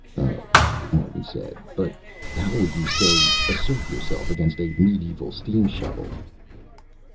"Oh," Martin said. "But how would you, say, assert yourself against a medieval steam shovel?"